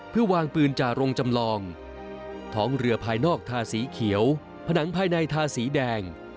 เพื่อวางปืนจ่าโรงจำลองท้องเรือภายนอกทาสีเขียวผนังภายในทาสีแดง